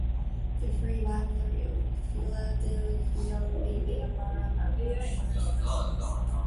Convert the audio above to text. The Free Library of Philadelphia Lillian Marrero Branch serves West Kensington.